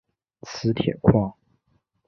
磁铁矿。